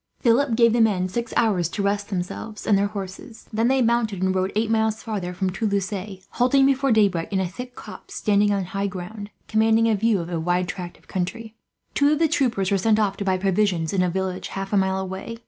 Philip gave the men six hours to rest themselves and their horses. They then mounted and rode eight miles farther from Toulouse, halting before daybreak in a thick copse standing on high ground, commanding a view of a wide tract of country. Two of the troopers were sent off to buy provisions in a village, half a mile away.